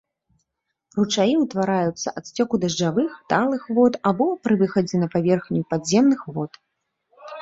Ручаі ўтвараюцца ад сцёку дажджавых, талых вод або пры выхадзе на паверхню падземных вод.